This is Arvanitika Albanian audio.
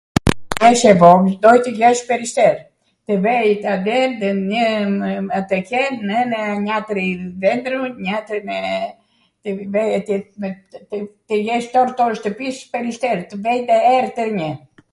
[kur] jesh e vogwl doj tw jesh perister, tw vej adej dw njw..., atwher nwnw njatrin dhendro, njatrin tw vej..., tw jesh tor tor shtwpis perister, tw bwjte er twrnjw.